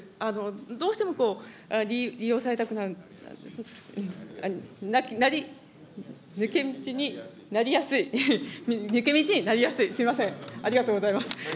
どうしても、利用されたくなる、なり、抜け道になりやすい、抜け道になりやすい、すみません、ありがとうございます。